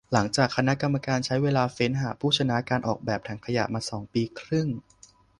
หลังจากคณะกรรมการใช้เวลาเฟ้นหาผู้ชนะการออกแบบถังขยะมาปีครึ่ง